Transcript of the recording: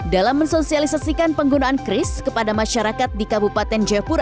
dalam mensosialisasikan penggunaan kris kepada masyarakat di kabupaten jayapura